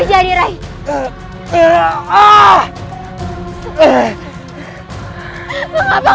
kau tidak akan menang